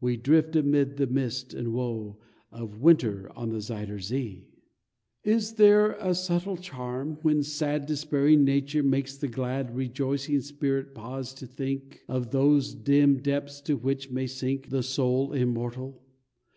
We drift amid the mist and woe Of winter on the Zuyder Zee. Is there a subtle charm, when sad Despairing nature makes the glad Rejoicing spirit pause to think, Of those dim depths to which may sink The soul immortal?